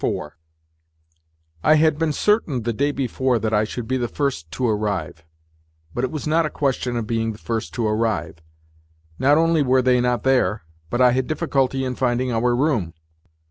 IV I had been certain the day before that I should be the first to arrive. But it was not a question of being the first to arrive. Not only were they not there, but I had difficulty in finding our room.